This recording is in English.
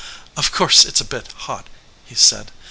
"Of course it s a bit hot," he said.